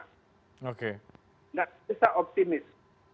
tidak bisa optimis